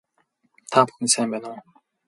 Та бүхэн сайн байна уу